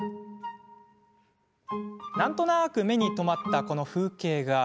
なんとなく目に留まった、この風景画。